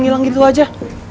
hilang gitu aja